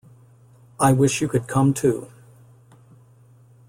I wish you could come too.